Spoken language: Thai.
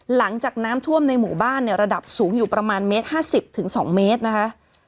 หลังจากน้ำท่วมในหมู่บ้านเนี่ยระดับสูงอยู่ประมาณเมตร๕๐๒เมตรนะคะ